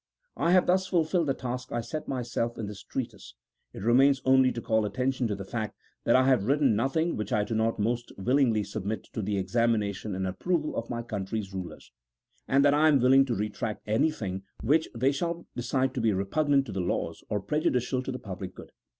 I have thus fulfilled the task I set myself in this treatise. It remains only to call attention to the fact that I have written nothing which I do not most willingly submit to the examination and approval of my country's rulers ; and 266 A THEOLOGICO POLITICAL TREATISE. [CHAP. XX. that I am willing to retract anything which they shall de cide to be repngnant to the laws, or prejudicial to the public good.